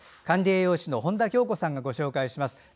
管理栄養士の本多京子さんがご紹介します。